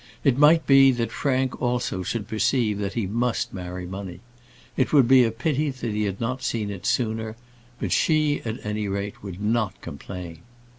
It might be, that Frank also should perceive that he must marry money. It would be a pity that he had not seen it sooner; but she, at any rate, would not complain.